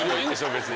別に。